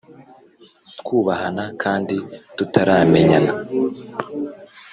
Twubahana kandi tutaramenyana